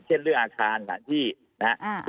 เช่นเรื่องอาคารหลังที่นะฮะ